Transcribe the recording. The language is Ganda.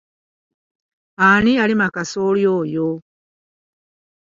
Ani yalima kasooli oyo?